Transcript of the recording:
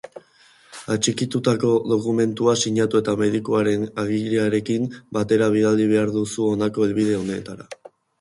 Atxikitutako dokumentua sinatu eta medikuaren agiriarekin batera bidali behar duzu honako helbide honetara.